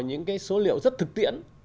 những cái số liệu rất thực tiễn